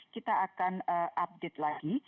kita akan update lagi